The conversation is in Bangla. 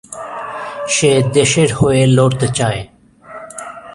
সে দেশের হয়ে লড়তে চায়।